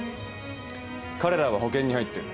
彼らは保険に入ってる。